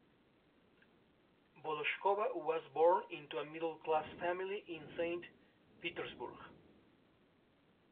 Volochkova was born into a middle-class family in Saint Petersburg.